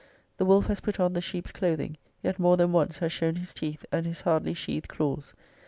The wolf has put on the sheep's cloth ing; yet more than once has shown his teeth, and his hardly sheathed claws.